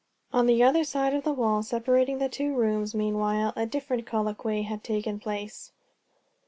On the other side of the wall separating the two rooms, meanwhile a different colloquy had taken place.